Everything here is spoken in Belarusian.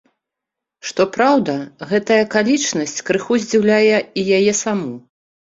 Што праўда, гэтая акалічнасць крыху здзіўляе і яе саму.